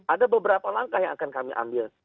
ada beberapa langkah yang akan kami ambil